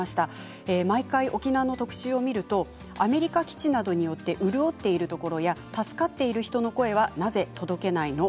毎回、沖縄特集を見るとアメリカ基地などによって潤っているところとか助かっている人たちの声はなぜ届けないの？